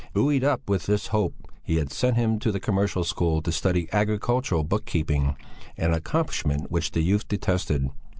Buoyed up with this hope, he had sent him to the Commercial School to study agricultural book keeping, an accomplishment which the youth detested.